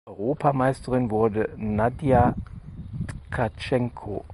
Europameisterin wurde Nadija Tkatschenko.